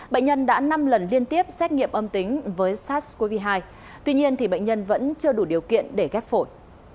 bệnh nhân đã năm lần liên tiếp xét nghiệm âm tính với sars cov hai tuy nhiên bệnh nhân vẫn chưa đủ điều kiện để ghép phổi